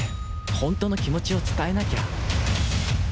本当の気持ちを伝えなきゃ。